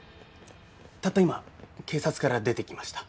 たった今警察から出てきました。